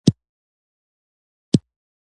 د وزن د زیاتیدو د دوام لپاره باید څه وکړم؟